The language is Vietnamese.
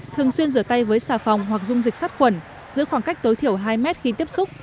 thường xuyên rửa tay với xà phòng hoặc dung dịch sát khuẩn giữ khoảng cách tối thiểu hai mét khi tiếp xúc